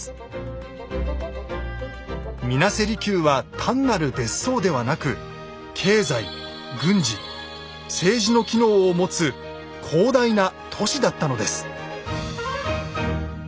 水無瀬離宮は単なる別荘ではなく経済軍事政治の機能を持つ広大な都市だったのです。